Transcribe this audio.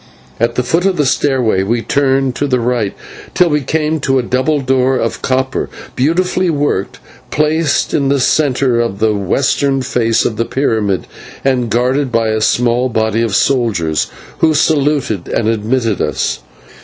At the foot of the stairway we turned to the right till we came to a double door of copper, beautifully worked, placed in the centre of the western face of the pyramid, and guarded by a small body of soldiers, who saluted and admitted us.